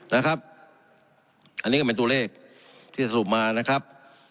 นะครับอันนี้ก็เป็นตัวเลขที่สรุปมานะครับ